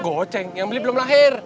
goceng yang beli belum lahir